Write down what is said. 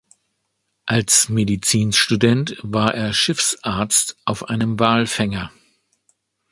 Als Medizinstudent war er Schiffsarzt auf einem Walfänger.